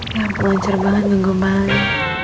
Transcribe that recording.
ya pengen cerbangan ngegombalin